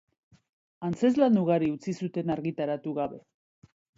Antzezlan ugari utzi zuen argitaratu gabe.